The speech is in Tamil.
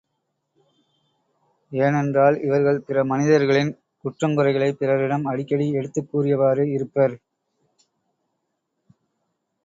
ஏனென்றால், இவர்கள் பிற மனிதர்களின் குற்றங்குறைகளைப் பிறரிடம் அடிக்கடி எடுத்துச் கூறியவாறு இருப்பர்.